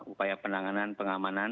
upaya penanganan pengamanan